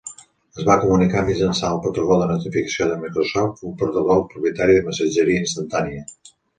Es va comunicar mitjançant el protocol de notificació de Microsoft, un protocol propietari de missatgeria instantània.